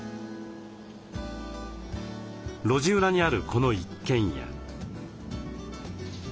路地裏にあるこの一軒家。